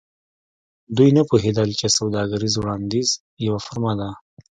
دوی نه پوهیدل چې سوداګریز وړاندیز یوه فورمه ده